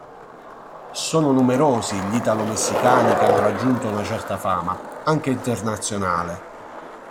Sono numerosi gli Italo-messicani che hanno raggiunto una certa fama, anche internazionale.